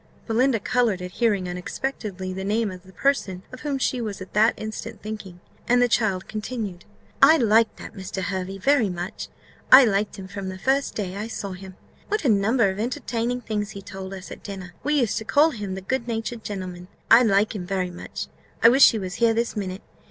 Belinda coloured at hearing unexpectedly the name of the person of whom she was at that instant thinking, and the child continued "I liked that Mr. Hervey very much I liked him from the first day I saw him. What a number of entertaining things he told us at dinner! We used to call him the good natured gentleman: I like him very much I wish he was here this minute.